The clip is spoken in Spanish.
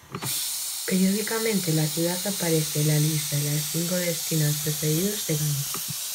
Periódicamente la ciudad aparece en la lista de los cinco destinos preferidos de Gales.